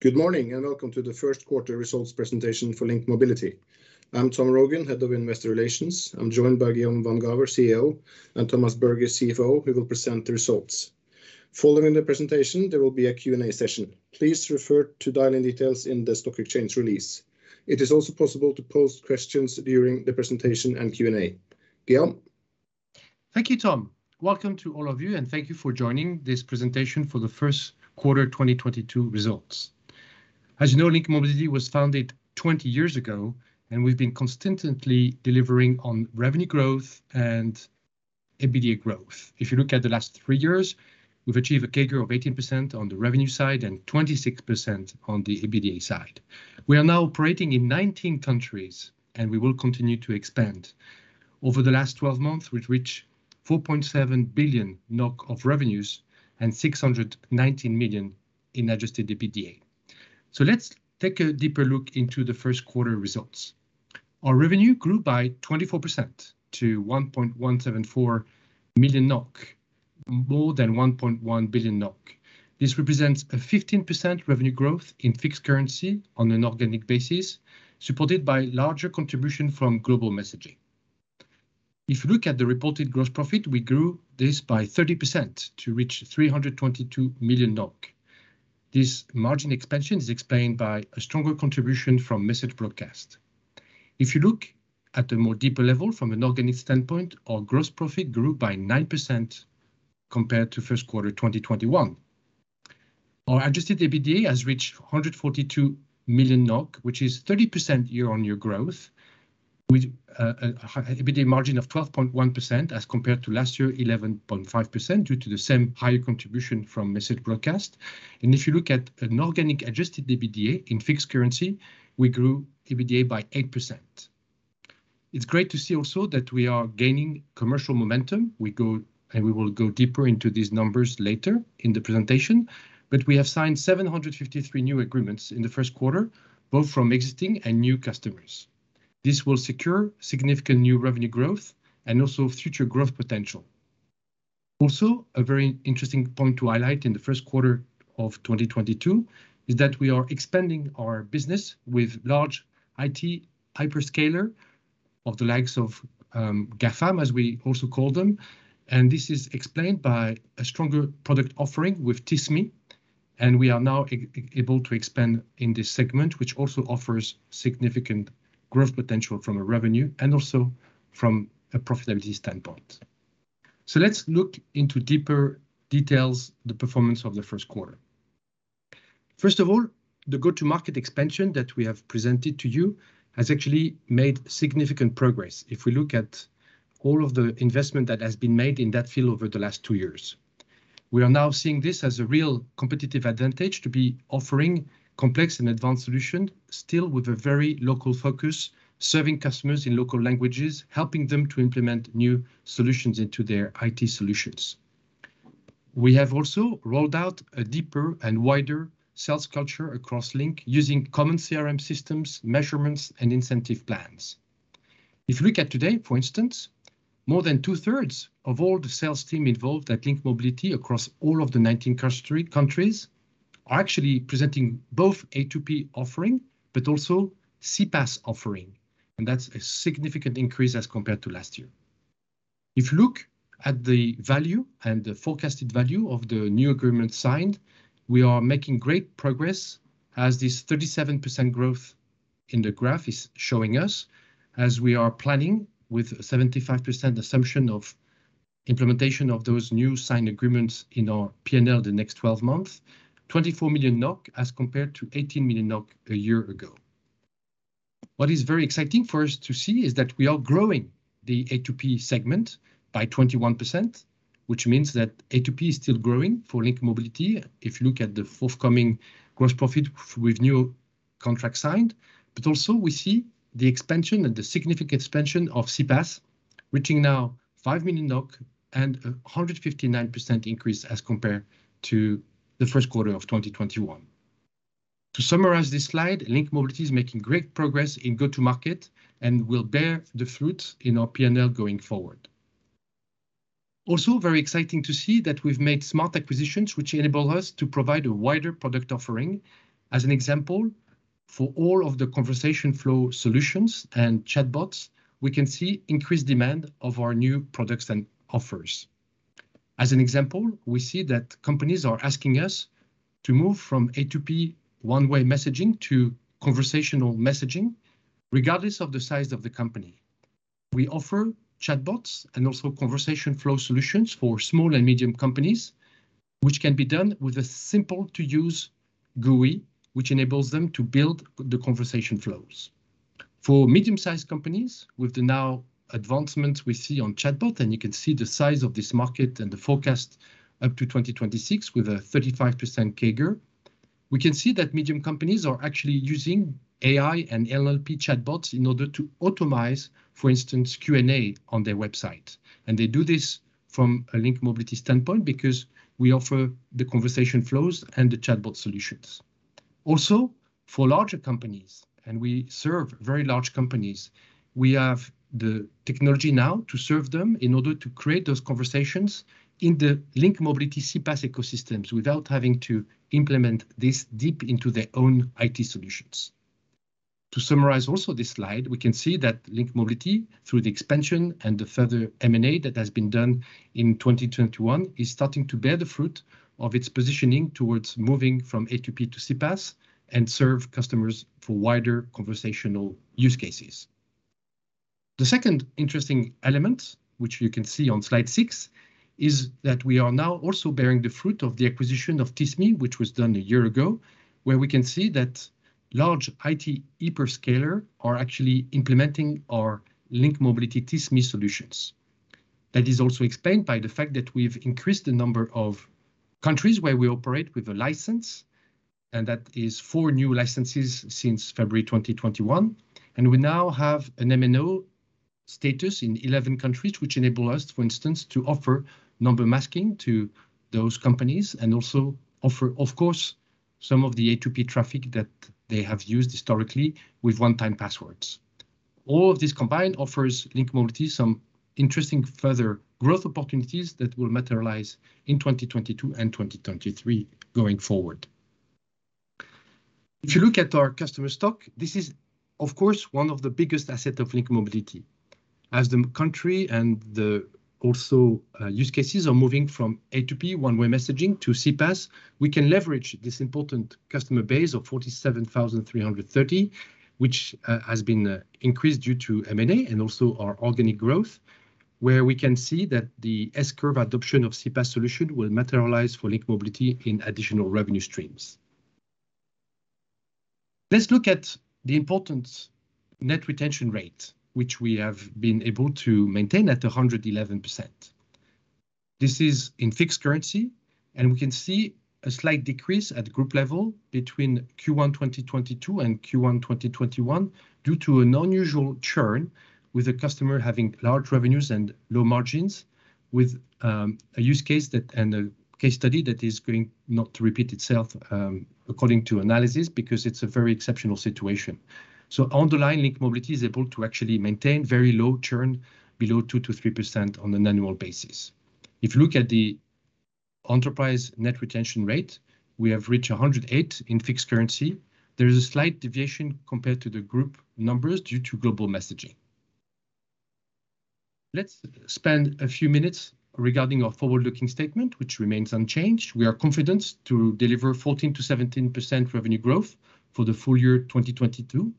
Good morning, and welcome to the first quarter results presentation for LINK Mobility. I'm Tom Rogn, Head of Investor Relations. I'm joined by Guillaume van Gaver, CEO, and Thomas Berge, CFO, who will present the results. Following the presentation, there will be a Q&A session. Please refer to dial-in details in the stock exchange release. It is also possible to pose questions during the presentation and Q&A. Guillaume? Thank you, Tom. Welcome to all of you, and thank you for joining this presentation for the first quarter 2022 results. As you know, LINK Mobility was founded 20 years ago, and we've been consistently delivering on revenue growth and EBITDA growth. If you look at the last three years, we've achieved a CAGR of 18% on the revenue side and 26% on the EBITDA side. We are now operating in 19 countries, and we will continue to expand. Over the last 12 months, we've reached 4.7 billion NOK of revenues and 619 million in adjusted EBITDA. Let's take a deeper look into the first quarter results. Our revenue grew by 24% to 1.174 billion NOK, more than 1.1 billion NOK. This represents a 15% revenue growth in fixed currency on an organic basis, supported by larger contribution from global messaging. If you look at the reported gross profit, we grew this by 30% to reach 322 million NOK. This margin expansion is explained by a stronger contribution from Message Broadcast. If you look at a more deeper level from an organic standpoint, our gross profit grew by 9% compared to first quarter 2021. Our adjusted EBITDA has reached 142 million NOK, which is 30% year-on-year growth with an EBITDA margin of 12.1% as compared to last year, 11.5%, due to the same higher contribution from Message Broadcast. If you look at an organic adjusted EBITDA in fixed currency, we grew EBITDA by 8%. It's great to see also that we are gaining commercial momentum. We will go deeper into these numbers later in the presentation, but we have signed 753 new agreements in the first quarter, both from existing and new customers. This will secure significant new revenue growth and also future growth potential. Also, a very interesting point to highlight in the first quarter of 2022 is that we are expanding our business with large IT hyperscaler of the likes of, GAFAM, as we also call them, and this is explained by a stronger product offering with Tismi. We are now able to expand in this segment, which also offers significant growth potential from a revenue and also from a profitability standpoint. Let's look into deeper details the performance of the first quarter. First of all, the go-to-market expansion that we have presented to you has actually made significant progress if we look at all of the investment that has been made in that field over the last two years. We are now seeing this as a real competitive advantage to be offering complex and advanced solution, still with a very local focus, serving customers in local languages, helping them to implement new solutions into their IT solutions. We have also rolled out a deeper and wider sales culture across LINK using common CRM systems, measurements, and incentive plans. If you look at today, for instance, more than 2/3 of all the sales team involved at LINK Mobility across all of the 19 countries are actually presenting both A2P offering but also CPaaS offering, and that's a significant increase as compared to last year. If you look at the value and the forecasted value of the new agreement signed, we are making great progress as this 37% growth in the graph is showing us as we are planning with 75% assumption of implementation of those new signed agreements in our P&L the next 12 months. 24 million NOK as compared to 18 million NOK a year ago. What is very exciting for us to see is that we are growing the A2P segment by 21%, which means that A2P is still growing for LINK Mobility if you look at the forthcoming gross profit with new contracts signed. Also we see the expansion and the significant expansion of CPaaS, which is now 5 million NOK and a 159% increase as compared to the first quarter of 2021. To summarize this slide, LINK Mobility is making great progress in go-to-market and will bear the fruit in our P&L going forward. Also very exciting to see that we've made smart acquisitions which enable us to provide a wider product offering. As an example, for all of the conversation flow solutions and chatbots, we can see increased demand of our new products and offers. As an example, we see that companies are asking us to move from A2P one-way messaging to conversational messaging, regardless of the size of the company. We offer chatbots and also conversation flow solutions for small and medium companies, which can be done with a simple-to-use GUI, which enables them to build the conversation flows. For medium-sized companies with the new advancements we see on chatbot, and you can see the size of this market and the forecast up to 2026 with a 35% CAGR, we can see that medium companies are actually using AI and NLP chatbots in order to automate, for instance, Q&A on their website. They do this from a LINK Mobility standpoint because we offer the conversation flows and the chatbot solutions. Also, for larger companies, and we serve very large companies, we have the technology now to serve them in order to create those conversations in the LINK Mobility CPaaS ecosystems without having to implement this deep into their own IT solutions. To summarize also this slide, we can see that LINK Mobility, through the expansion and the further M&A that has been done in 2021, is starting to bear the fruit of its positioning towards moving from A2P to CPaaS, and serve customers for wider conversational use cases. The second interesting element, which you can see on slide six, is that we are now also bearing the fruit of the acquisition of Tismi, which was done a year ago, where we can see that large IT hyperscalers are actually implementing our LINK Mobility Tismi solutions. That is also explained by the fact that we've increased the number of countries where we operate with a license, and that is four new licenses since February 2021. We now have an MNO status in 11 countries, which enable us, for instance, to offer number masking to those companies and also offer, of course, some of the A2P traffic that they have used historically with one-time passwords. All of this combined offers LINK Mobility some interesting further growth opportunities that will materialize in 2022 and 2023 going forward. If you look at our customer stock, this is of course, one of the biggest asset of LINK Mobility. As countries and use cases are moving from A2P one-way messaging to CPaaS, we can leverage this important customer base of 47,330, which has been increased due to M&A and also our organic growth, where we can see that the S-curve adoption of CPaaS solution will materialize for LINK Mobility in additional revenue streams. Let's look at the important net retention rate, which we have been able to maintain at 111%. This is in fixed currency, and we can see a slight decrease at group level between Q1 2022 and Q1 2021 due to an unusual churn with a customer having large revenues and low margins with a use case and a case study that is not going to repeat itself, according to analysis, because it's a very exceptional situation. Underlying LINK Mobility is able to actually maintain very low churn below 2%-3% on an annual basis. If you look at the enterprise net retention rate, we have reached 108% in fixed currency. There is a slight deviation compared to the group numbers due to global messaging. Let's spend a few minutes regarding our forward-looking statement, which remains unchanged. We are confident to deliver 14%-17% revenue growth for the full year 2022.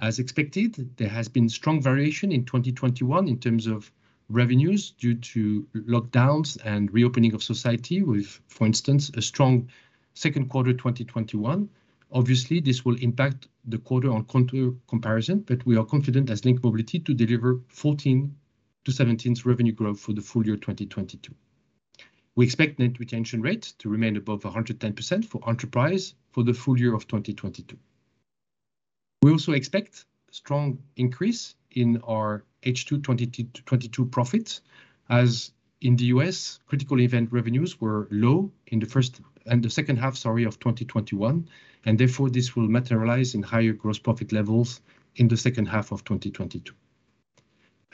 As expected, there has been strong variation in 2021 in terms of revenues due to lockdowns and reopening of society with, for instance, a strong second quarter 2021. Obviously, this will impact the quarter-on-quarter comparison, but we are confident as LINK Mobility to deliver 14%-17% revenue growth for the full year 2022. We expect net retention rate to remain above 110% for enterprise for the full year of 2022. We also expect strong increase in our H2 2022 profits, as in the U.S., critical event revenues were low in the second half of 2021, and therefore this will materialize in higher gross profit levels in the second half of 2022.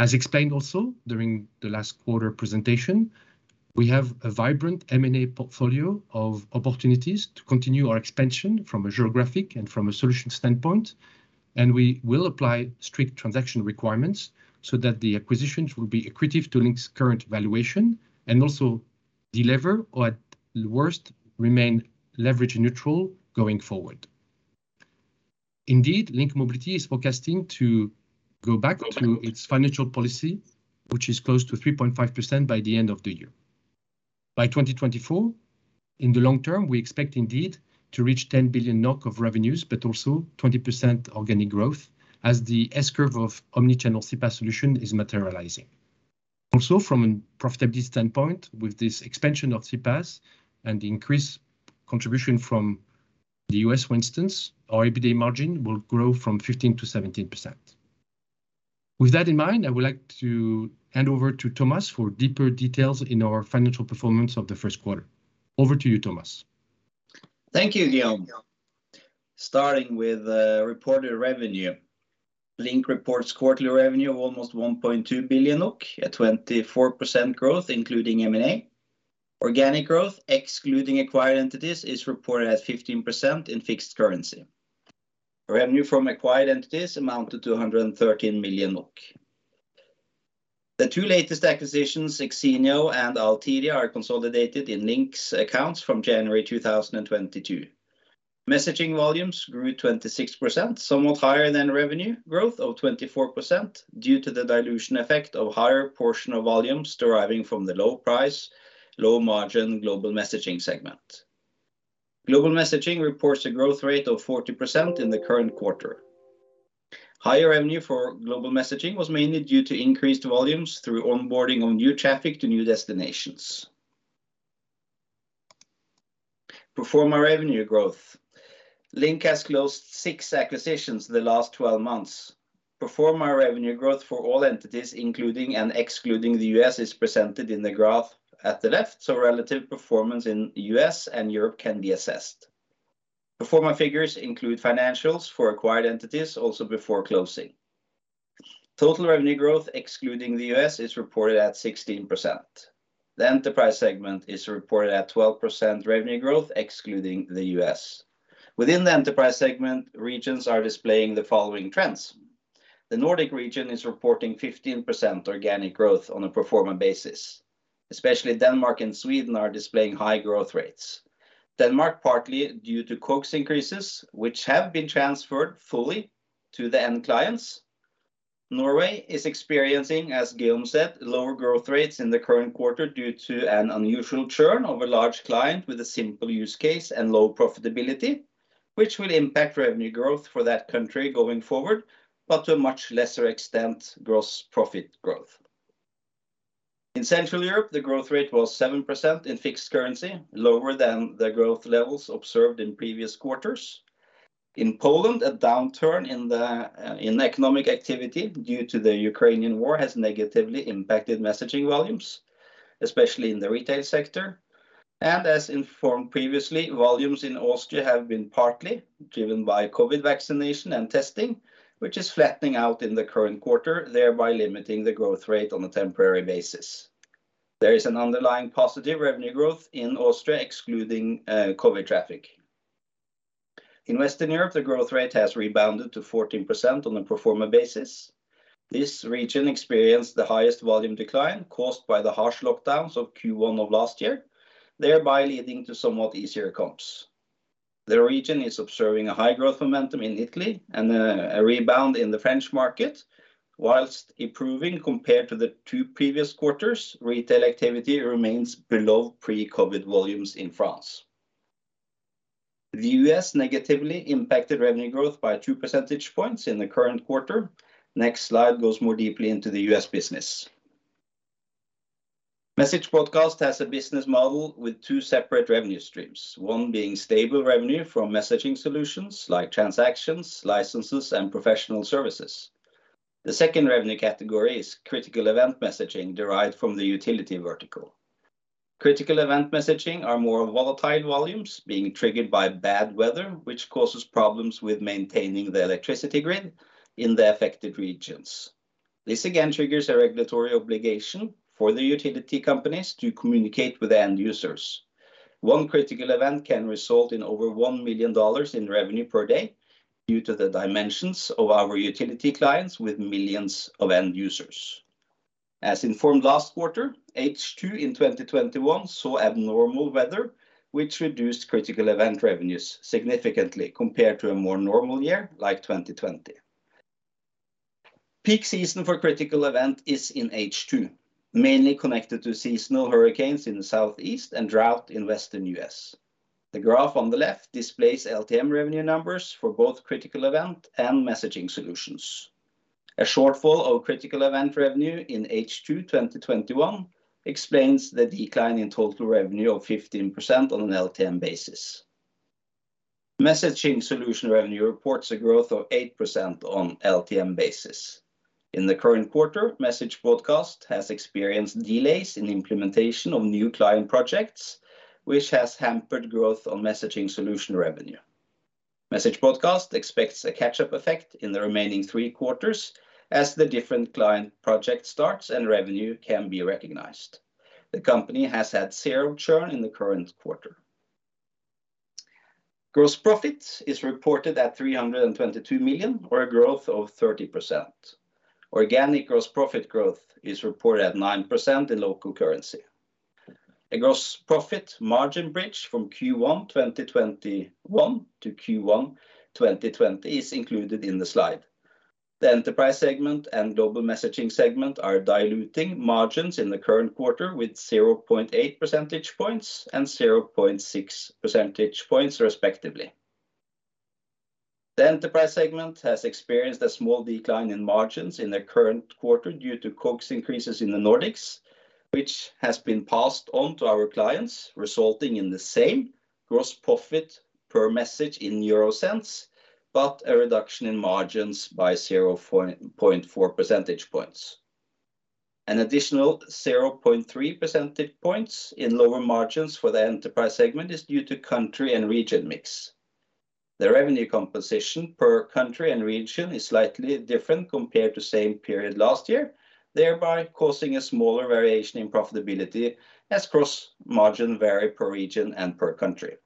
As explained also during the last quarter presentation, we have a vibrant M&A portfolio of opportunities to continue our expansion from a geographic and from a solution standpoint, and we will apply strict transaction requirements so that the acquisitions will be accretive to LINK's current valuation and also deliver, or at worst, remain leverage neutral going forward. Indeed, LINK Mobility is forecasting to go back to its financial policy, which is close to 3.5% by the end of the year. By 2024, in the long term, we expect indeed to reach 10 billion NOK of revenues, but also 20% organic growth as the S-curve of omni-channel CPaaS solution is materializing. Also, from a profitability standpoint, with this expansion of CPaaS and the increased contribution from the U.S., for instance, our EBITDA margin will grow from 15%-17%. With that in mind, I would like to hand over to Thomas for deeper details in our financial performance of the first quarter. Over to you, Thomas. Thank you, Guillaume. Starting with reported revenue. LINK reports quarterly revenue of almost 1.2 billion at 24% growth, including M&A. Organic growth, excluding acquired entities, is reported at 15% in fixed currency. Revenue from acquired entities amounted to 113 million NOK. The two latest acquisitions, Xenioo and Altiria, are consolidated in LINK's accounts from January 2022. Messaging volumes grew 26%, somewhat higher than revenue growth of 24% due to the dilution effect of higher portion of volumes deriving from the low price, low margin global messaging segment. Global messaging reports a growth rate of 40% in the current quarter. Higher revenue for global messaging was mainly due to increased volumes through onboarding of new traffic to new destinations. Regarding revenue growth, LINK has closed six acquisitions in the last 12 months. Pro forma revenue growth for all entities, including and excluding the U.S., is presented in the graph at the left, so relative performance in U.S. and Europe can be assessed. Pro forma figures include financials for acquired entities also before closing. Total revenue growth excluding the U.S. is reported at 16%. The enterprise segment is reported at 12% revenue growth excluding the U.S. Within the enterprise segment, regions are displaying the following trends. The Nordic region is reporting 15% organic growth on a pro forma basis. Especially Denmark and Sweden are displaying high growth rates. Denmark partly due to COGS increases, which have been transferred fully to the end clients. Norway is experiencing, as Guillaume said, lower growth rates in the current quarter due to an unusual churn of a large client with a simple use case and low profitability, which will impact revenue growth for that country going forward, but to a much lesser extent, gross profit growth. In Central Europe, the growth rate was 7% in fixed currency, lower than the growth levels observed in previous quarters. In Poland, a downturn in economic activity due to the Ukrainian war has negatively impacted messaging volumes, especially in the retail sector. As informed previously, volumes in Austria have been partly driven by COVID vaccination and testing, which is flattening out in the current quarter, thereby limiting the growth rate on a temporary basis. There is an underlying positive revenue growth in Austria excluding COVID traffic. In Western Europe, the growth rate has rebounded to 14% on a pro forma basis. This region experienced the highest volume decline caused by the harsh lockdowns of Q1 of last year, thereby leading to somewhat easier comps. The region is observing a high growth momentum in Italy and a rebound in the French market. While improving compared to the two previous quarters, retail activity remains below pre-COVID volumes in France. The U.S. negatively impacted revenue growth by two percentage points in the current quarter. Next slide goes more deeply into the U.S. business. Message Broadcast has a business model with two separate revenue streams, one being stable revenue from messaging solutions like transactions, licenses, and professional services. The second revenue category is critical event messaging derived from the utility vertical. Critical event messaging are more volatile volumes being triggered by bad weather, which causes problems with maintaining the electricity grid in the affected regions. This again triggers a regulatory obligation for the utility companies to communicate with end users. One critical event can result in over $1 million in revenue per day due to the dimensions of our utility clients with millions of end users. As informed last quarter, H2 in 2021 saw abnormal weather, which reduced critical event revenues significantly compared to a more normal year, like 2020. Peak season for critical event is in H2, mainly connected to seasonal hurricanes in the southeast and drought in Western U.S. The graph on the left displays LTM revenue numbers for both critical event and messaging solutions. A shortfall of critical event revenue in H2 2021 explains the decline in total revenue of 15% on an LTM basis. Messaging solution revenue reports a growth of 8% on LTM basis. In the current quarter, Message Broadcast has experienced delays in implementation of new client projects, which has hampered growth on messaging solution revenue. Message Broadcast expects a catch-up effect in the remaining three quarters as the different client project starts and revenue can be recognized. The company has had zero churn in the current quarter. Gross profit is reported at 322 million or a growth of 30%. Organic gross profit growth is reported at 9% in local currency. A gross profit margin bridge from Q1 2021 to Q1 2020 is included in the slide. The enterprise segment and global messaging segment are diluting margins in the current quarter with 0.8 percentage points and 0.6 percentage points, respectively. The enterprise segment has experienced a small decline in margins in the current quarter due to COGS increases in the Nordics, which has been passed on to our clients, resulting in the same gross profit per message in euro cents, but a reduction in margins by 0.4 percentage points. An additional 0.3 percentage points in lower margins for the enterprise segment is due to country and region mix. The revenue composition per country and region is slightly different compared to same period last year, thereby causing a smaller variation in profitability as gross margin vary per region and per country.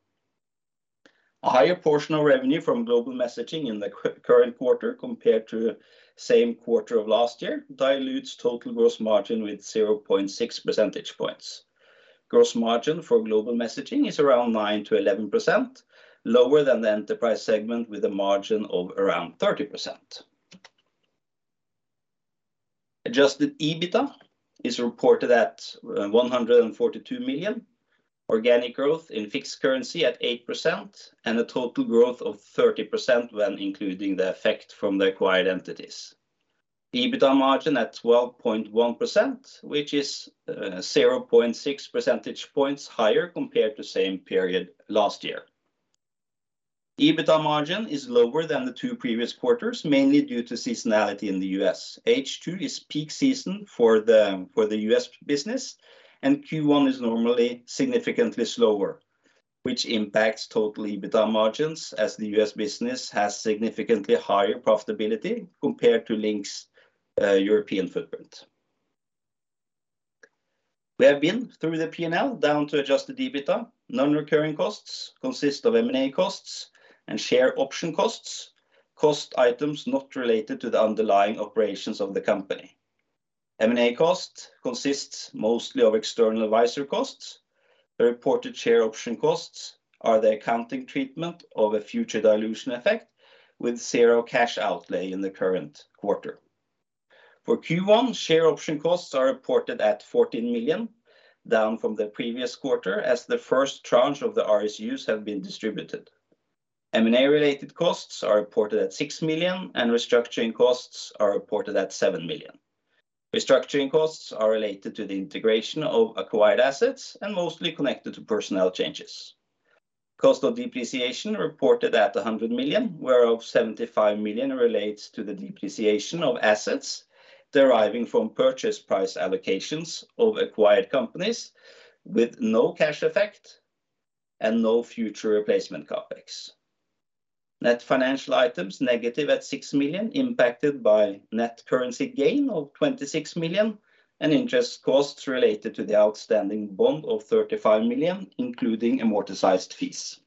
A higher portion of revenue from global messaging in the current quarter compared to same quarter of last year dilutes total gross margin with 0.6 percentage points. Gross margin for global messaging is around 9%-11%, lower than the enterprise segment with a margin of around 30%. Adjusted EBITDA is reported at 142 million. Organic growth in fixed currency at 8% and a total growth of 30% when including the effect from the acquired entities. The EBITDA margin at 12.1%, which is 0.6 percentage points higher compared to same period last year. EBITDA margin is lower than the two previous quarters, mainly due to seasonality in the U.S. H2 is peak season for the U.S. business, and Q1 is normally significantly slower, which impacts total EBITDA margins as the U.S. business has significantly higher profitability compared to LINK's European footprint. We have been through the P&L down to adjusted EBITDA. Non-recurring costs consist of M&A costs and share option costs. Cost items not related to the underlying operations of the company. M&A cost consists mostly of external advisor costs. The reported share option costs are the accounting treatment of a future dilution effect with zero cash outlay in the current quarter. For Q1, share option costs are reported at 14 million, down from the previous quarter as the first tranche of the RSUs have been distributed. M&A-related costs are reported at 6 million, and restructuring costs are reported at 7 million. Restructuring costs are related to the integration of acquired assets and mostly connected to personnel changes. Cost of depreciation reported at 100 million, whereof 75 million relates to the depreciation of assets deriving from purchase price allocations of acquired companies with no cash effect and no future replacement CapEx. Net financial items negative at 6 million impacted by net currency gain of 26 million and interest costs related to the outstanding bond of 35 million, including amortized fees.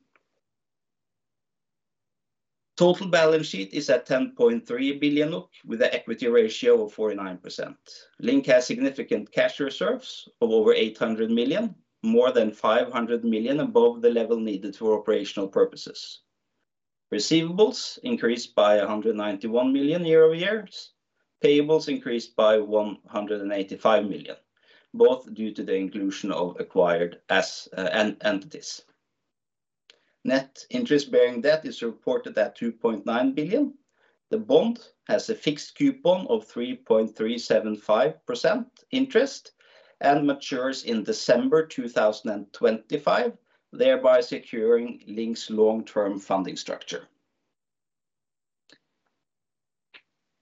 Total balance sheet is at 10.3 billion with the equity ratio of 49%. LINK has significant cash reserves of over 800 million, more than 500 million above the level needed for operational purposes. Receivables increased by 191 million year-over-year. Payables increased by 185 million, both due to the inclusion of acquired entities. Net interest-bearing debt is reported at 2.9 billion. The bond has a fixed coupon of 3.375% interest and matures in December 2025, thereby securing LINK's long-term funding structure.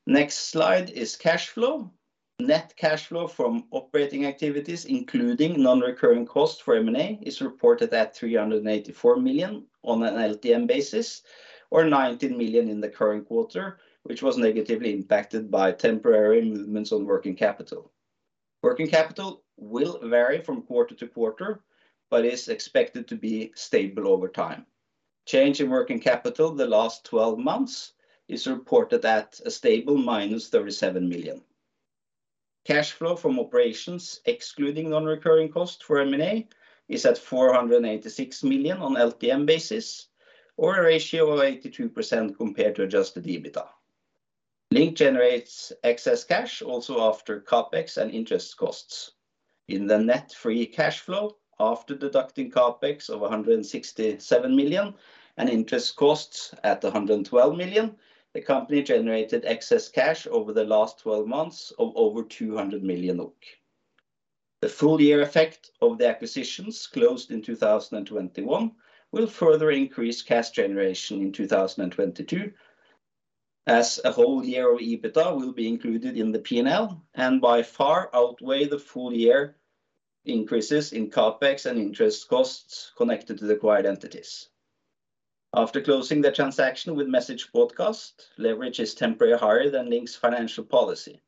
Next slide is cash flow. Net cash flow from operating activities, including non-recurring costs for M&A, is reported at 384 million on an LTM basis or 19 million in the current quarter, which was negatively impacted by temporary movements on working capital. Working capital will vary from quarter-to-quarter but is expected to be stable over time. Change in working capital the last 12 months is reported at a stable -37 million. Cash flow from operations, excluding non-recurring cost for M&A, is at 486 million on LTM basis or a ratio of 82% compared to adjusted EBITDA. LINK generates excess cash also after CapEx and interest costs. In the net free cash flow after deducting CapEx of 167 million and interest costs at 112 million, the company generated excess cash over the last 12 months of over 200 million. The full year effect of the acquisitions closed in 2021 will further increase cash generation in 2022 as a whole year of EBITDA will be included in the P&L and by far outweigh the full year increases in CapEx and interest costs connected to the acquired entities. After closing the transaction with Message Broadcast, leverage is temporarily higher than LINK's financial policy.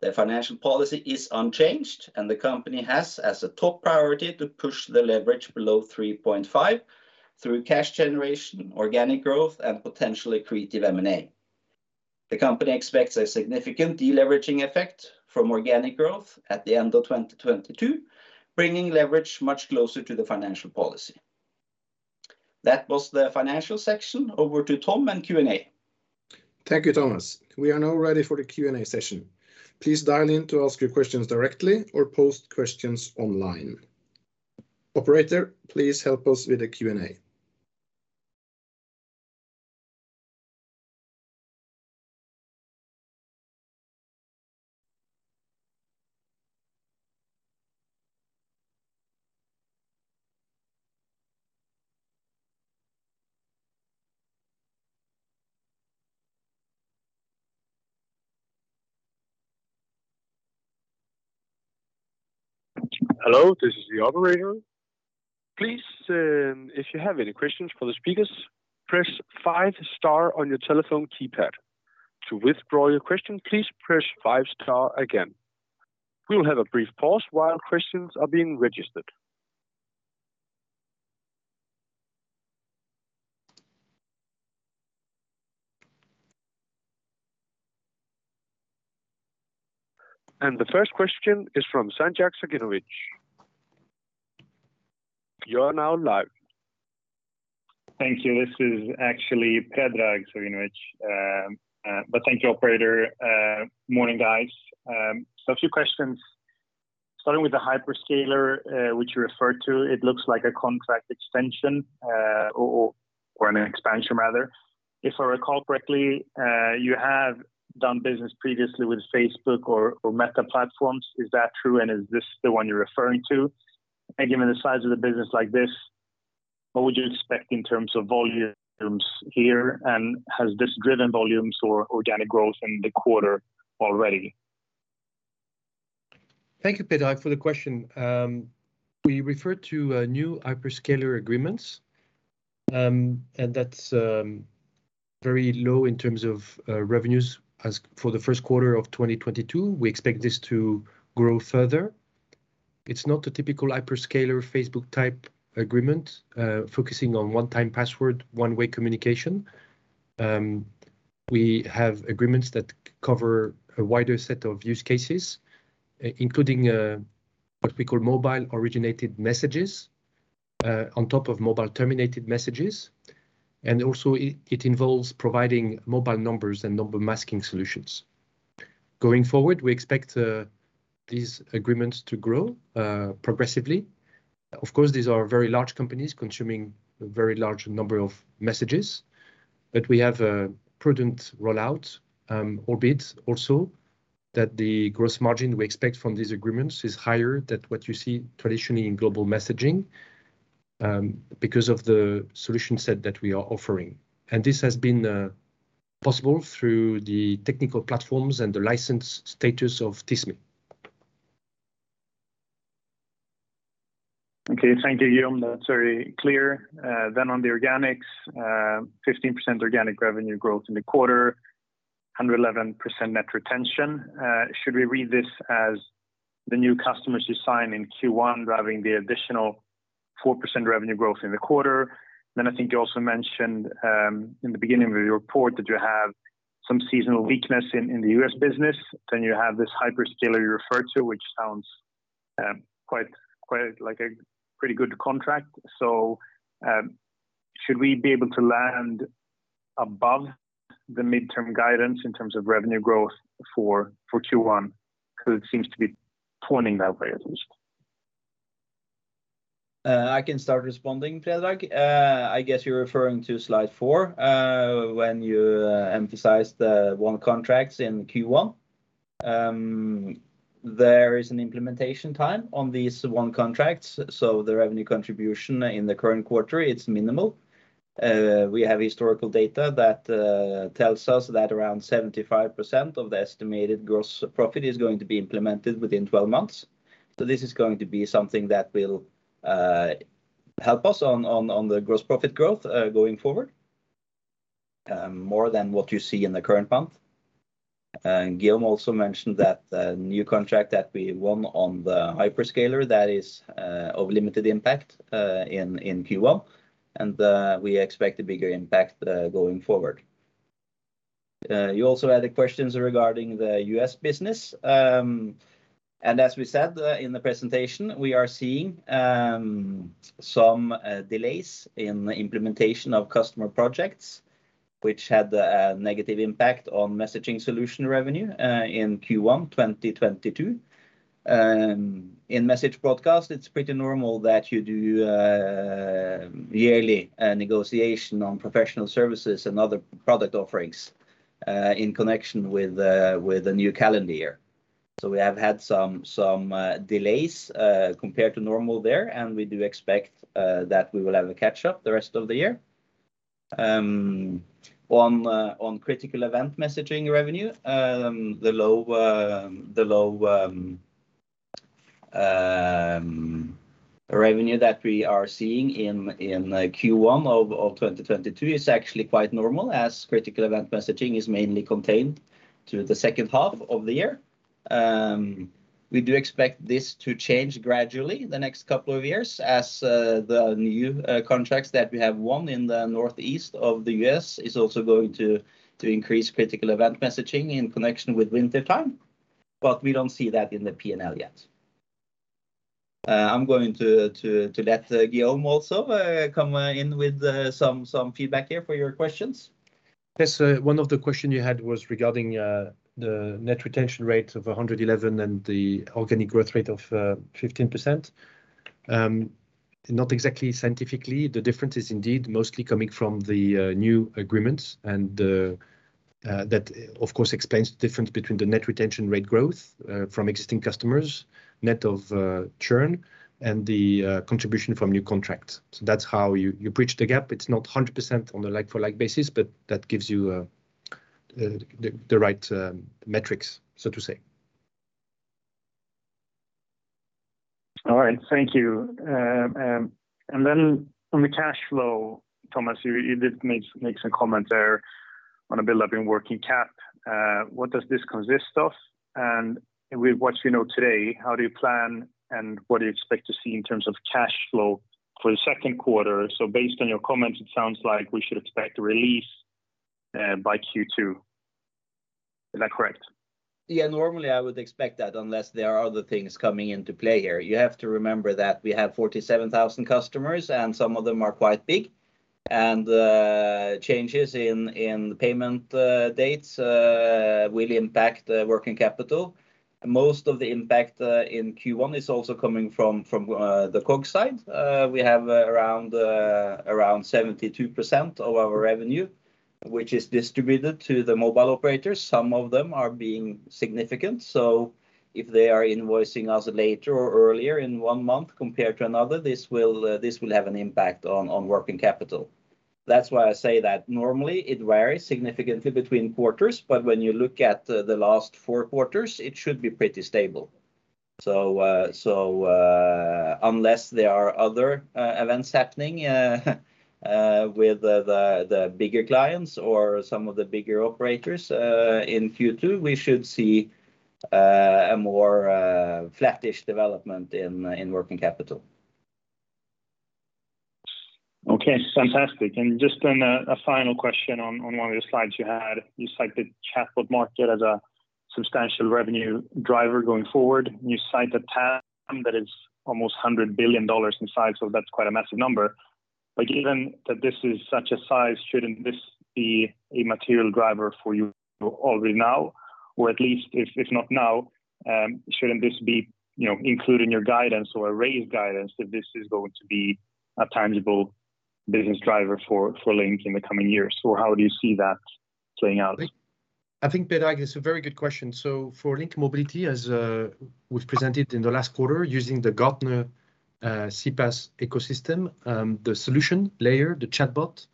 The financial policy is unchanged, and the company has as a top priority to push the leverage below 3.5x through cash generation, organic growth, and potentially creative M&A. The company expects a significant deleveraging effect from organic growth at the end of 2022, bringing leverage much closer to the financial policy. That was the financial section. Over to Tom and Q&A. Thank you, Thomas. We are now ready for the Q&A session. Please dial in to ask your questions directly or post questions online. Operator, please help us with the Q&A. Hello, this is the operator. Please, if you have any questions for the speakers, press five star on your telephone keypad. To withdraw your question, please press five star again. We will have a brief pause while questions are being registered. The first question is from Sanjak Savinovic. You are now live. Thank you. This is actually Predrag Savinovic. Thank you, operator. Morning, guys. A few questions. Starting with the hyperscaler, which you referred to, it looks like a contract extension, or an expansion rather. If I recall correctly, you have done business previously with Facebook or Meta Platforms. Is that true? And is this the one you're referring to? And given the size of the business like this, what would you expect in terms of volumes here? And has this driven volumes or organic growth in the quarter already? Thank you, Predrag for the question. We refer to new hyperscaler agreements, and that's very low in terms of revenues. As for the first quarter of 2022, we expect this to grow further. It's not a typical hyperscaler Facebook-type agreement, focusing on one-time password, one-way communication. We have agreements that cover a wider set of use cases, including what we call mobile-originated messages on top of mobile-terminated messages, and also it involves providing mobile numbers and number-masking solutions. Going forward, we expect these agreements to grow progressively. Of course, these are very large companies consuming a very large number of messages, but we have a prudent rollout, albeit also that the gross margin we expect from these agreements is higher than what you see traditionally in global messaging, because of the solution set that we are offering. This has been possible through the technical platforms and the license status of Tismi. Okay. Thank you, Guillaume. That's very clear. On the organics, 15% organic revenue growth in the quarter, 111% net retention. Should we read this as the new customers you sign in Q1 driving the additional 4% revenue growth in the quarter? I think you also mentioned in the beginning of your report that you have some seasonal weakness in the U.S. business, then you have this hyperscaler you referred to, which sounds quite like a pretty good contract. Should we be able to land above the midterm guidance in terms of revenue growth for Q1? 'Cause it seems to be pointing that way, at least. I can start responding, Predrag. I guess you're referring to slide four, when you emphasize the won contracts in Q1. There is an implementation time on these won contracts, so the revenue contribution in the current quarter, it's minimal. We have historical data that tells us that around 75% of the estimated gross profit is going to be implemented within 12 months. This is going to be something that will help us on the gross profit growth going forward, more than what you see in the current month. Guillaume also mentioned that the new contract that we won on the hyperscaler, that is of limited impact in Q1, and we expect a bigger impact going forward. You also had questions regarding the U.S. business. As we said in the presentation, we are seeing some delays in implementation of customer projects, which had a negative impact on messaging solution revenue in Q1 2022. In Message Broadcast, it's pretty normal that you do a yearly negotiation on professional services and other product offerings in connection with a new calendar year. We have had some delays compared to normal there, and we do expect that we will have a catch-up the rest of the year. On critical event messaging revenue, the low revenue that we are seeing in Q1 of 2022 is actually quite normal as critical event messaging is mainly contained to the second half of the year. We do expect this to change gradually the next couple of years as the new contracts that we have won in the northeast of the U.S. is also going to increase critical event messaging in connection with wintertime, but we don't see that in the P&L yet. I'm going to let Guillaume also come in with some feedback here for your questions. Yes. One of the question you had was regarding the net retention rate of 111% and the organic growth rate of 15%. Not exactly scientifically, the difference is indeed mostly coming from the new agreements and that of course explains the difference between the net retention rate growth from existing customers, net of churn, and the contribution from new contracts. That's how you bridge the gap. It's not 100% on a like-for-like basis, but that gives you the right metrics, so to say. All right. Thank you. On the cash flow, Thomas, you did make some comment there on the build-up in working cap. What does this consist of? With what we know today, how do you plan, and what do you expect to see in terms of cash flow for the second quarter? Based on your comments, it sounds like we should expect a release by Q2. Is that correct? Yeah. Normally, I would expect that unless there are other things coming into play here. You have to remember that we have 47,000 customers, and some of them are quite big. Changes in payment dates will impact working capital. Most of the impact in Q1 is also coming from the COGS side. We have around 72% of our revenue, which is distributed to the mobile operators. Some of them are significant. If they are invoicing us later or earlier in one month compared to another, this will have an impact on working capital. That's why I say that normally it varies significantly between quarters, but when you look at the last four quarters, it should be pretty stable. Unless there are other events happening with the bigger clients or some of the bigger operators in Q2, we should see a more flattish development in working capital. Okay. Fantastic. Just then a final question on one of your slides you had. You cite the chatbot market as a substantial revenue driver going forward. You cite the TAM that is almost $100 billion in size, so that's quite a massive number. But given that this is such a size, shouldn't this be a material driver for you already now? Or at least if not now, shouldn't this be, you know, included in your guidance or a raised guidance that this is going to be a tangible business driver for LINK in the coming years? Or how do you see that playing out? I think, Predrag, it's a very good question. For LINK Mobility, we've presented in the last quarter using the Gartner CPaaS ecosystem, the solution layer, the chatbot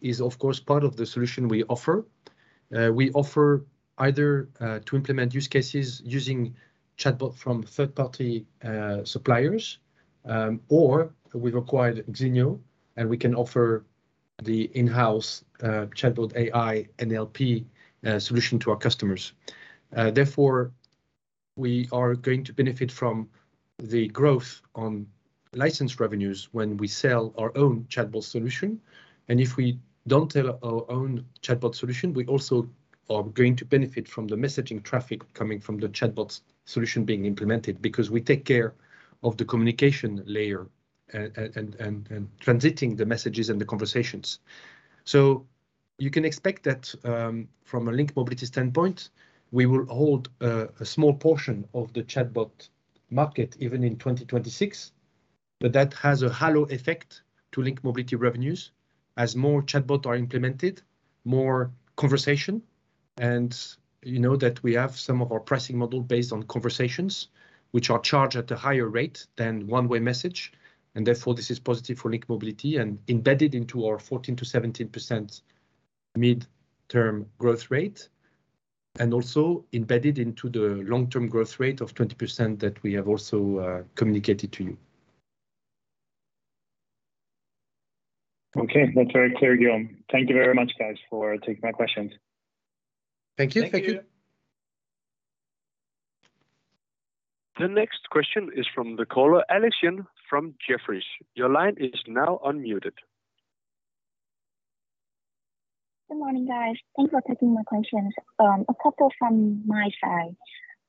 is, of course, part of the solution we offer. We offer either to implement use cases using chatbot from third-party suppliers, or we've acquired Xenioo, and we can offer the in-house chatbot AI NLP solution to our customers. Therefore, we are going to benefit from the growth on license revenues when we sell our own chatbot solution. If we don't have our own chatbot solution, we also are going to benefit from the messaging traffic coming from the chatbot solution being implemented because we take care of the communication layer and transiting the messages and the conversations. You can expect that, from a LINK Mobility standpoint, we will hold a small portion of the chatbot market even in 2026, but that has a halo effect to LINK Mobility revenues. As more chatbot are implemented, more conversation. You know that we have some of our pricing model based on conversations which are charged at a higher rate than one-way message, and therefore this is positive for LINK Mobility and embedded into our 14%-17% mid-term growth rate, and also embedded into the long-term growth rate of 20% that we have also communicated to you. Okay. That's very clear, Guillaume. Thank you very much, guys, for taking my questions. Thank you. Thank you. The next question is from the caller Alex Yun from Jefferies. Your line is now unmuted. Good morning, guys. Thanks for taking my questions. A couple from my side.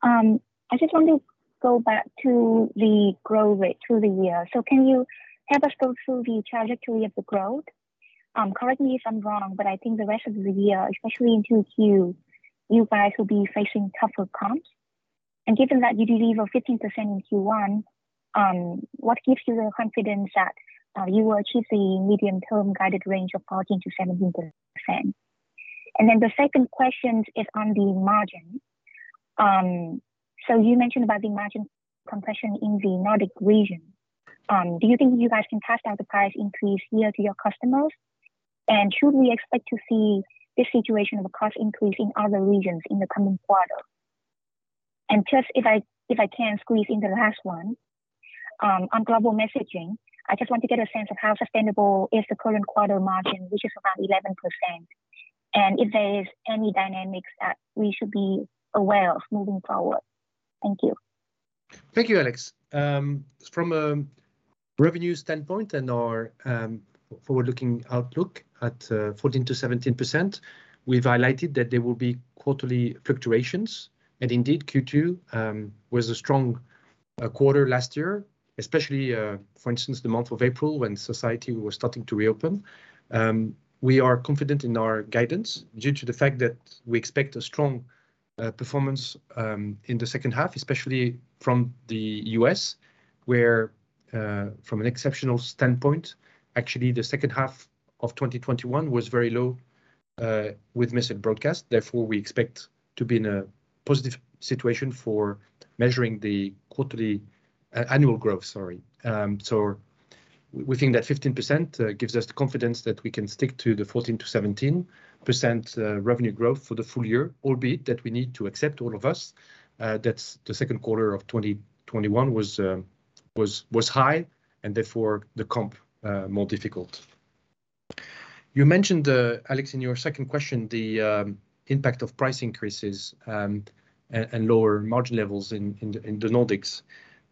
I just want to go back to the growth rate through the year. Can you help us go through the trajectory of the growth? Correct me if I'm wrong, but I think the rest of the year, especially in 2Q, you guys will be facing tougher comps. Given that you believe a 15% in Q1, what gives you the confidence that you will achieve the medium-term guided range of 14%-17%? Then the second question is on the margin. You mentioned about the margin compression in the Nordic region. Do you think you guys can pass down the price increase here to your customers? Should we expect to see this situation of a cost increase in other regions in the coming quarter? Just if I can squeeze in the last one, on global messaging, I just want to get a sense of how sustainable is the current quarter margin, which is around 11%, and if there is any dynamics that we should be aware of moving forward. Thank you. Thank you, Alex. From a revenue standpoint and our forward-looking outlook at 14%-17%, we've highlighted that there will be quarterly fluctuations. Indeed, Q2 was a strong quarter last year, especially for instance, the month of April when society was starting to reopen. We are confident in our guidance due to the fact that we expect a strong performance in the second half, especially from the U.S., where from an exceptional standpoint, actually, the second half of 2021 was very low with Message Broadcast. Therefore, we expect to be in a positive situation for measuring the annual growth, sorry. We think that 15% gives us the confidence that we can stick to the 14%-17% revenue growth for the full year, albeit that we need to accept all of us that the second quarter of 2021 was high and therefore the comp more difficult. You mentioned, Alex, in your second question, the impact of price increases and lower margin levels in the Nordics.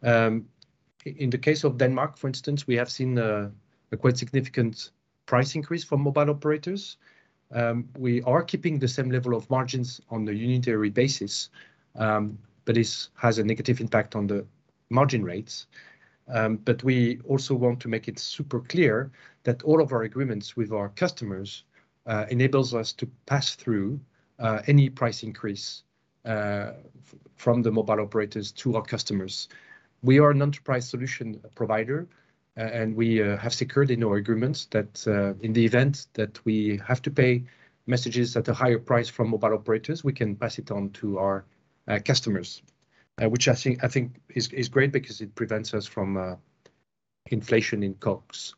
In the case of Denmark, for instance, we have seen a quite significant price increase from mobile operators. We are keeping the same level of margins on the unitary basis, but this has a negative impact on the margin rates. We also want to make it super clear that all of our agreements with our customers enables us to pass through any price increase from the mobile operators to our customers. We are an enterprise solution provider and we have security in our agreements that in the event that we have to pay messages at a higher price from mobile operators, we can pass it on to our customers. Which I think is great because it prevents us from inflation in COGS.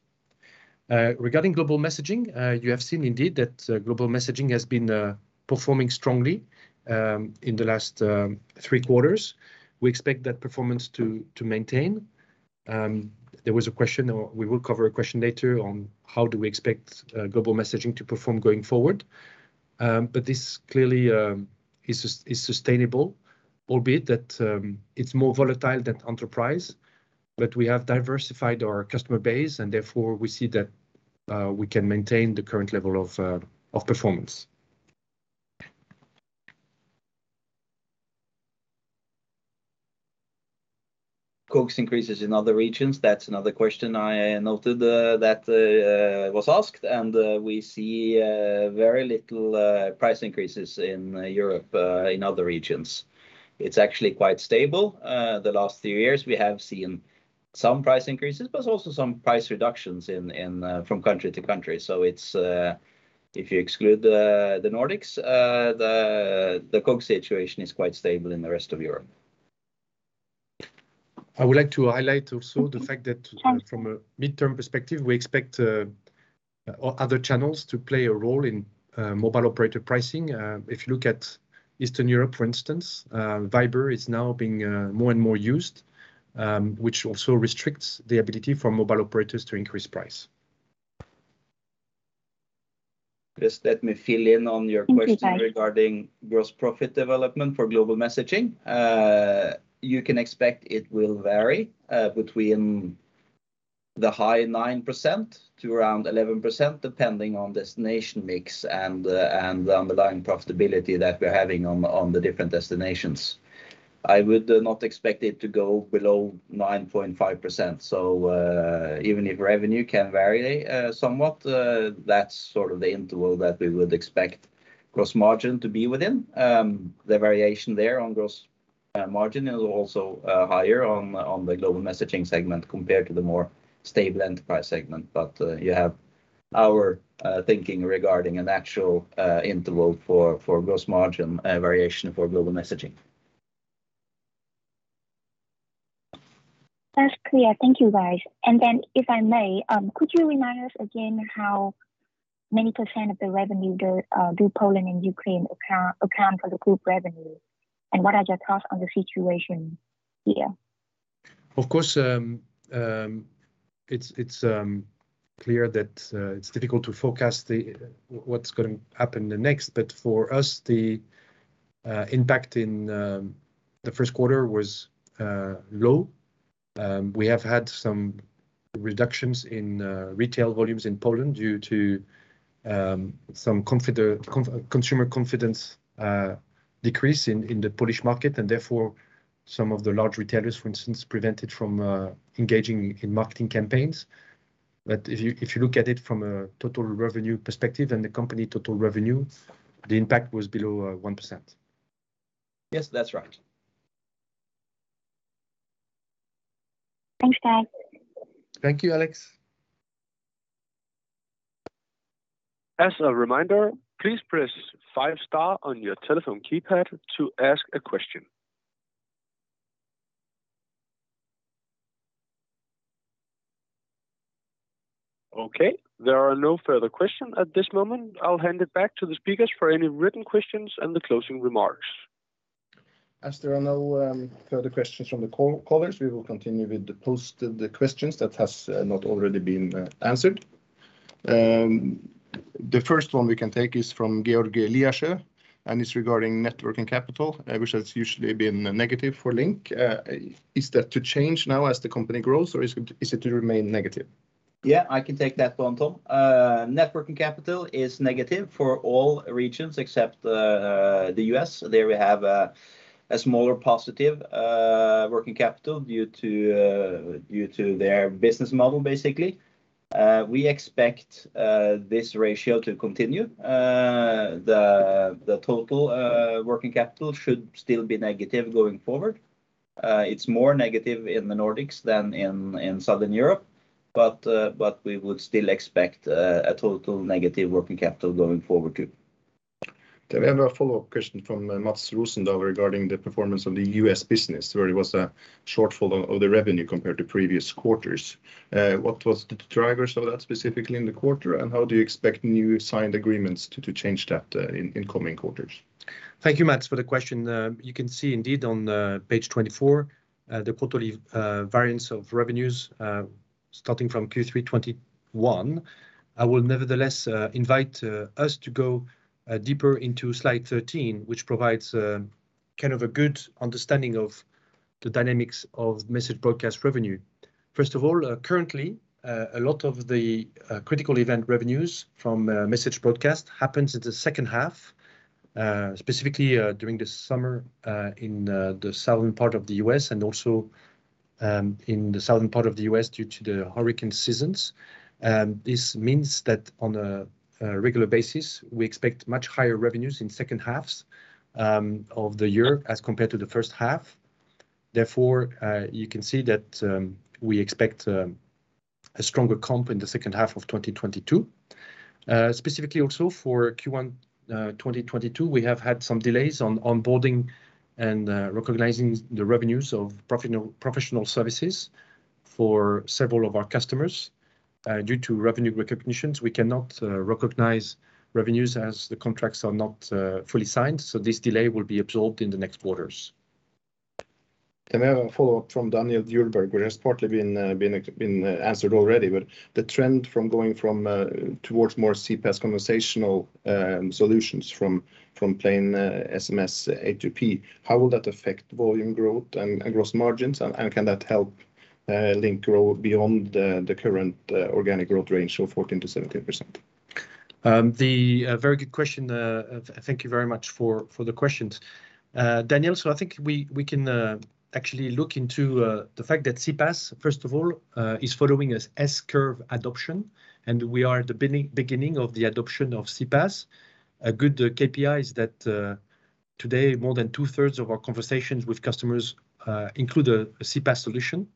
Regarding global messaging, you have seen indeed that global messaging has been performing strongly in the last three quarters. We expect that performance to maintain. There was a question, or we will cover a question later on how do we expect global messaging to perform going forward? This clearly is sustainable, albeit that it's more volatile than enterprise. We have diversified our customer base and therefore we see that we can maintain the current level of performance. COGS increases in other regions. That's another question I noted that was asked. We see very little price increases in Europe in other regions. It's actually quite stable. The last three years we have seen some price increases, but also some price reductions in from country to country. It's if you exclude the Nordics the COGS situation is quite stable in the rest of Europe. I would like to highlight also the fact that from a midterm perspective, we expect other channels to play a role in mobile operator pricing. If you look at Eastern Europe, for instance, Viber is now being more and more used, which also restricts the ability for mobile operators to increase price. Just let me fill in on your question regarding gross profit development for global messaging. You can expect it will vary between high 9% to around 11%, depending on destination mix and the underlying profitability that we're having on the different destinations. I would not expect it to go below 9.5%. Even if revenue can vary somewhat, that's sort of the interval that we would expect gross margin to be within. The variation there on gross margin is also higher on the global messaging segment compared to the more stable enterprise segment. You have our thinking regarding an actual interval for gross margin variation for global messaging. That's clear. Thank you, guys. If I may, could you remind us again how many percent of the revenue do Poland and Ukraine account for the group revenue, and what are your thoughts on the situation here? Of course, it's clear that it's difficult to forecast what's gonna happen the next. For us, the impact in the first quarter was low. We have had some reductions in retail volumes in Poland due to some consumer confidence decrease in the Polish market, and therefore, some of the large retailers, for instance, prevented from engaging in marketing campaigns. If you look at it from a total revenue perspective and the company total revenue, the impact was below 1%. Yes, that's right. Thanks, guys. Thank you, Alex. As a reminder, please press five star on your telephone keypad to ask a question. Okay, there are no further questions at this moment. I'll hand it back to the speakers for any written questions and the closing remarks. As there are no further questions from the callers, we will continue with the posted questions that has not already been answered. The first one we can take is from George Liasi, and it's regarding net working capital, which has usually been negative for LINK. Is that to change now as the company grows, or is it to remain negative? Yeah, I can take that one, Tom. Net working capital is negative for all regions except the U.S. There we have a smaller positive working capital due to their business model, basically. We expect this ratio to continue. The total working capital should still be negative going forward. It's more negative in the Nordics than in Southern Europe, but we would still expect a total negative working capital going forward too. We have a follow-up question from Max Rosendahl regarding the performance of the U.S. business, where it was a shortfall of the revenue compared to previous quarters. What was the triggers of that specifically in the quarter, and how do you expect new signed agreements to change that in coming quarters? Thank you, Max, for the question. You can see indeed on page 24 the quarterly variance of revenues starting from Q3 2021. I will nevertheless invite us to go deeper into slide 13, which provides kind of a good understanding of the dynamics of Message Broadcast revenue. First of all, currently, a lot of the critical event revenues from Message Broadcast happens at the second half, specifically, during the summer in the southern part of the U.S. and also in the southern part of the U.S. due to the hurricane seasons. This means that on a regular basis, we expect much higher revenues in second halves of the year as compared to the first half. Therefore, you can see that, we expect a stronger comp in the second half of 2022. Specifically also for Q1 2022, we have had some delays on onboarding and recognizing the revenues of professional services for several of our customers. Due to revenue recognitions, we cannot recognize revenues as the contracts are not fully signed, so this delay will be absorbed in the next quarters. We have a follow-up from Daniel Djurberg, which has partly been answered already. The trend from going from towards more CPaaS conversational solutions from plain SMS A2P, how will that affect volume growth and gross margins and can that help LINK grow beyond the current organic growth range of 14%-17%? A very good question. Thank you very much for the questions. Daniel, I think we can actually look into the fact that CPaaS, first of all, is following a S-curve adoption, and we are at the beginning of the adoption of CPaaS. A good KPI is that today more than 2/3 of our conversations with customers include a CPaaS solution.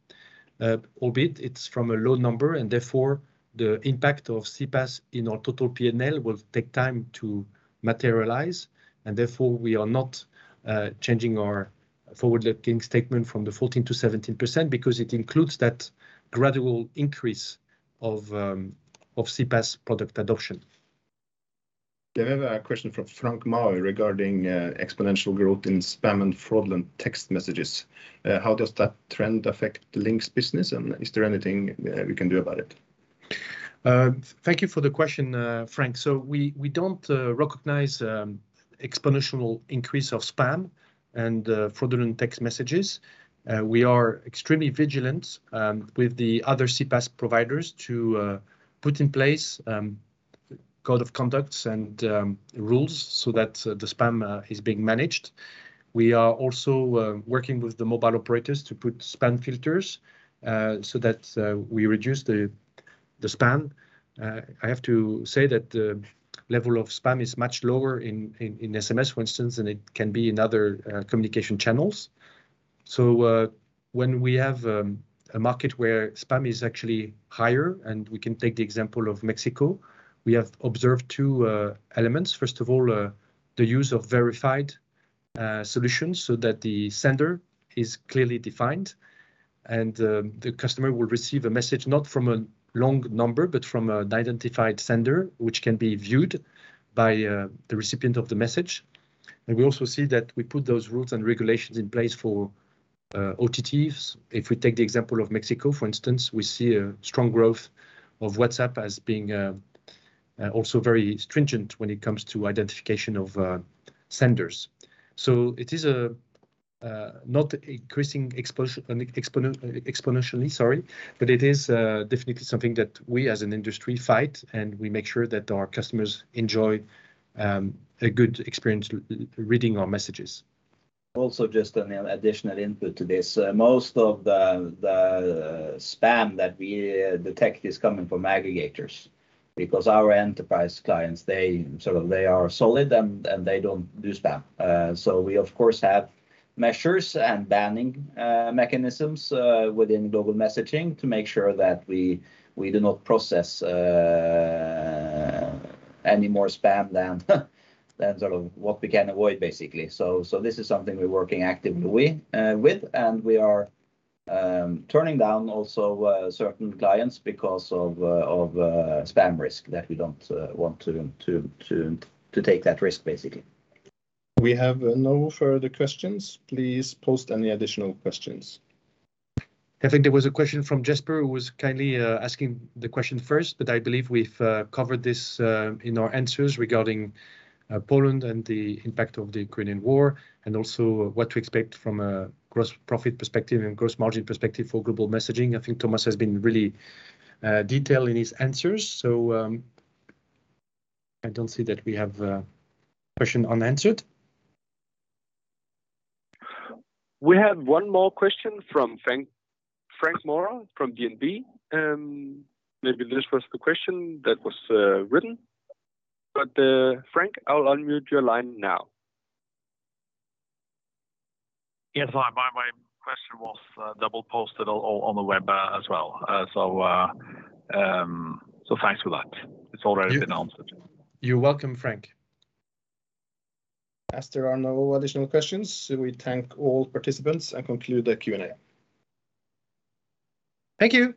Albeit it's from a low number, and therefore, the impact of CPaaS in our total P&L will take time to materialize, and therefore, we are not changing our forward-looking statement from the 14%-17% because it includes that gradual increase of CPaaS product adoption. We have a question from Frank Maaø regarding exponential growth in spam and fraudulent text messages. How does that trend affect LINK's business, and is there anything we can do about it? Thank you for the question, Frank. We don't recognize exponential increase of spam and fraudulent text messages. We are extremely vigilant with the other CPaaS providers to put in place code of conduct and rules so that the spam is being managed. We are also working with the mobile operators to put spam filters so that we reduce the spam. I have to say that the level of spam is much lower in SMS for instance, than it can be in other communication channels. When we have a market where spam is actually higher, and we can take the example of Mexico, we have observed two elements. First of all, the use of verified solutions so that the sender is clearly defined and the customer will receive a message not from a long number, but from an identified sender, which can be viewed by the recipient of the message. We also see that we put those rules and regulations in place for OTTs. If we take the example of Mexico, for instance, we see a strong growth of WhatsApp as being also very stringent when it comes to identification of senders. It is not increasing exponentially. It is definitely something that we as an industry fight, and we make sure that our customers enjoy a good experience reading our messages. Also, just an additional input to this. Most of the spam that we detect is coming from aggregators because our enterprise clients they sort of are solid and they don't do spam. We of course have measures and banning mechanisms within Global Messaging to make sure that we do not process any more spam than sort of what we can avoid, basically. This is something we're working actively with, and we are turning down also certain clients because of spam risk that we don't want to take that risk, basically. We have no further questions. Please post any additional questions. I think there was a question from Jesper, who was kindly asking the question first, but I believe we've covered this in our answers regarding Poland and the impact of the Ukrainian war and also what to expect from a gross profit perspective and gross margin perspective for Global Messaging. I think Thomas has been really detailed in his answers. I don't see that we have a question unanswered. We have one more question from Frank Maaø from DNB. Maybe this was the question that was written. Frank, I'll unmute your line now. Yes. My question was double-posted all on the web as well. Thanks for that. It's already been answered. You're welcome, Frank Maaø. As there are no additional questions, we thank all participants and conclude the Q&A. Thank you.